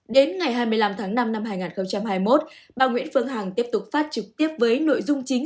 đến ngày hai mươi năm tháng năm năm hai nghìn hai mươi một bà nguyễn phương hằng tiếp tục phát trực tiếp với nội dung chính